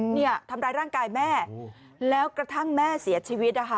เนี่ยทำร้ายร่างกายแม่แล้วกระทั่งแม่เสียชีวิตนะคะ